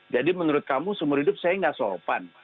jadi menurut kamu seumur hidup saya nggak sopan